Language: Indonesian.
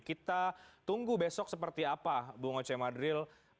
kita tunggu besok seperti apa bu ngoce madril